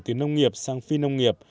từ nông nghiệp sang phi nông nghiệp